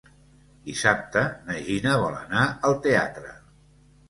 Dissabte na Gina vol anar al teatre.